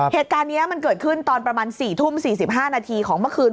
เหตุการณ์นี้มันเกิดขึ้นตอนประมาณ๔ทุ่ม๔๕นาทีของเมื่อคืน